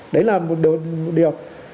đấy là một điều